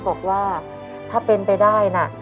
บอกว่าถ้าเป็นไปได้นะ